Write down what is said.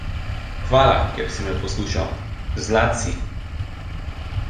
Hvala, ker si me poslušal. Zlat si.